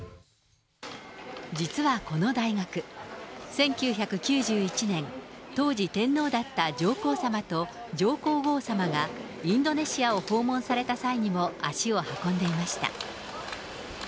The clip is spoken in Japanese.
実はこの大学、１９９１年、当時、天皇だった上皇さまと上皇后さまが、インドネシアを訪問された際にも足を運んでいました。